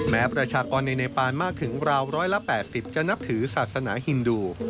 ประชากรในเนปานมากถึงราว๑๘๐จะนับถือศาสนาฮินดู